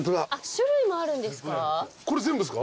種類もあるんですか？